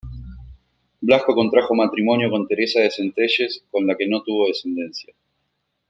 Blasco contrajo matrimonio con Teresa de Centelles, con la que no tuvo descendencia.